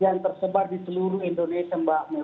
yang tersebar di seluruh indonesia mbak me